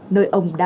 nơi ông đứng đầu